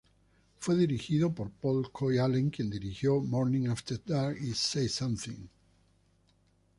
Fue dirigido por Paul "Coy" Allen, quien dirigió "Morning After Dark" y "Say Something".